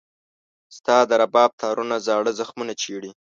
ستا د رباب تارونه زاړه زخمونه چېړي.